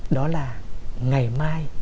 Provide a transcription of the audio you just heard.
đó là ngày mai